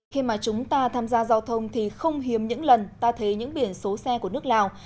khi mà chúng ta tham gia giao thông thì không hiếm những lần ta thấy những biển số xe của nước lào